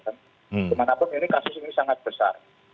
bagaimanapun ini kasus ini sangat besar